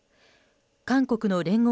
韓国の聯合